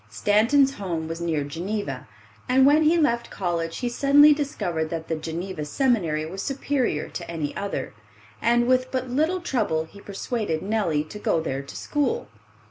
Stanton's home was near Geneva, and when he left college he suddenly discovered that the Geneva Seminary was superior to any other, and with but little trouble he persuaded Nellie to go there to school.